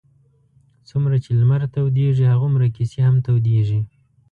څومره چې لمر تودېږي هغومره کیسې هم تودېږي.